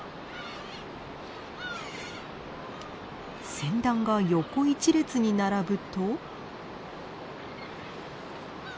船団が横１列に並ぶと。